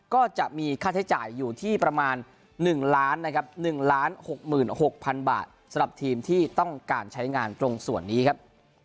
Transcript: ก็จะมีค่าใช้จ่ายอยู่ที่ประมาณ๑ล้านนะครับ๑๖๖๐๐๐บาทสำหรับทีมที่ต้องการใช้งานตรงส่วนนี้ครับ